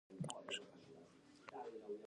د هغه خبرې په بودايي کتابونو کې شته